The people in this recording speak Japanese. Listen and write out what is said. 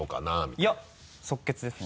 いや即決ですね。